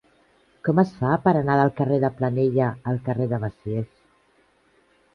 Com es fa per anar del carrer de Planella al carrer de Besiers?